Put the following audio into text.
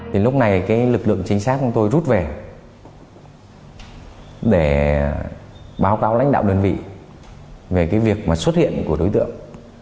thì lúc này cái lực lượng chính xác của tôi rút về để báo cáo lãnh đạo đơn vị về cái việc mà xuất hiện của đối tượng